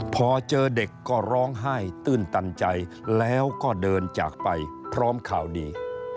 พอเจอเด็กก็ร้องไห้ตื้นตันใจแล้วก็เดินจากไปพร้อมข่าวดี